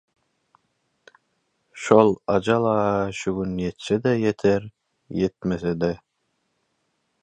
- Şol ajal-a şu gün ýetse-de ýeter, ýetmese-de.